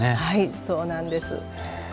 はいそうなんです。